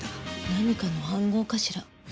何かの暗号かしら？